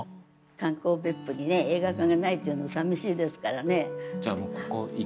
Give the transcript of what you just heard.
観光・別府に映画館がないというのも寂しいですからね。